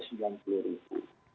beras itu rp lima puluh